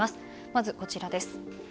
まず、こちらです。